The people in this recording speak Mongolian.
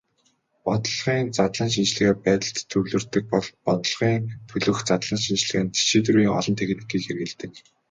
Бодлогын задлан шинжилгээ байдалд төвлөрдөг бол бодлогын төлөөх задлан шинжилгээнд шийдвэрийн олон техникийг хэрэглэдэг.